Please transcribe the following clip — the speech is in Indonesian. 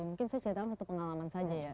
mungkin saya ceritakan satu pengalaman saja ya